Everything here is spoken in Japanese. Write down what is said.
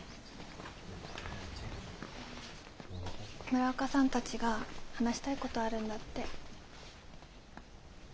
村岡さんたちが話したいことあるんだって。